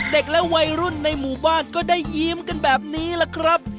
เด็กและวัยรุ่นในหมู่บ้านก็ได้ยิ้มกันแบบนี้แหละครับ